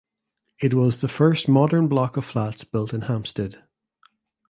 It was the first modern block of flats built in Hampstead.